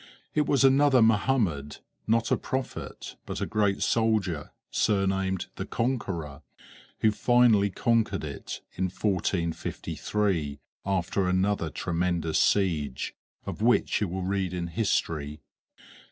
It was another Mohammed, not a prophet but a great soldier, surnamed the Conqueror, who finally conquered it, in 1453, after another tremendous siege, of which you will read in history.